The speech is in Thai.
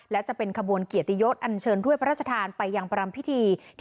และจะเป็นกระบวนเกลียดตียศออนเชิญพู่พระราชธาลไปอย่างประรำพิธีทธานามนุลทธาบุรี